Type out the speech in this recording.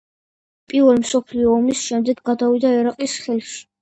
პირველი მსოფლიო ომის შემდეგ გადავიდა ერაყის ხელში.